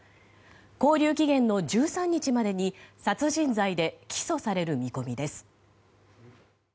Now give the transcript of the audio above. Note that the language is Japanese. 勾留期限の１３日までに殺人罪で起訴される見込みです。